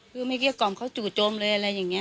คือไม่เกลี้ยกล่อมเขาจู่โจมเลยอะไรอย่างนี้